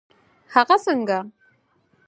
هغه څنګه؟